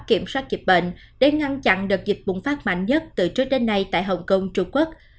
kiểm soát dịch bệnh để ngăn chặn đợt dịch bùng phát mạnh nhất từ trước đến nay tại hồng kông trung quốc